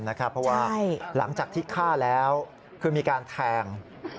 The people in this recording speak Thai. เพราะว่าหลังจากที่ฆ่าแล้วคือมีการแทง